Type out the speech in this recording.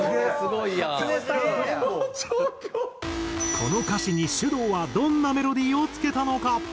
この歌詞にｓｙｕｄｏｕはどんなメロディーをつけたのか？